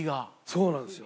そうなんですよ。